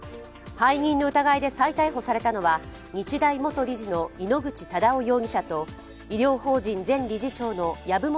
背任の疑いで再逮捕されたのは、日大元理事の井ノ口忠男容疑者と医療法人前理事長の籔本